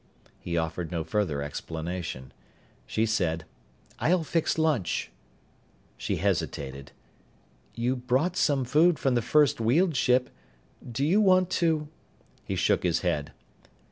He offered no further explanation. She said, "I'll fix lunch." She hesitated. "You brought some food from the first Weald ship. Do you want to " He shook his head.